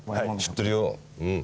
知ってるようん。